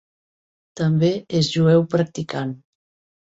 També és jueu practicant.